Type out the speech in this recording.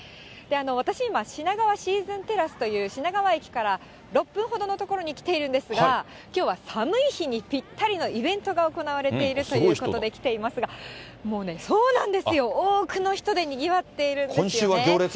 私今、品川シーズンテラスという、品川駅から６分ほどの所に来ているんですが、きょうは寒い日にぴったりのイベントが行われているということで来ていますが、もうね、多くの人でにぎわっているんですよね。